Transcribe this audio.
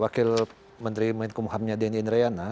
wakil menteri menkumhamnya dany indriana